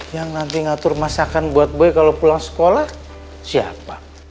yang nanti ngatur masakan buat bayi kalau pulang sekolah siapa